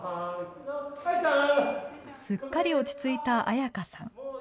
すっかり落ち着いた彩花さん。